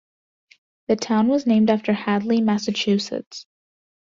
The town was named after Hadley, Massachusetts.